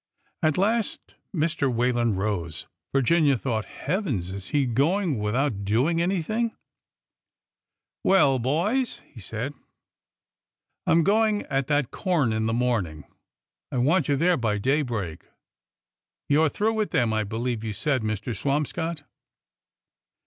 At last Mr. Whalen rose. Virginia thought : Hea vens ! is he going without doing anything !"'' Well, boys," he said, I 'm goin' at that corn in the morning. I want you there by daybreak. You are through with them, I believe you said, Mr. Swamscott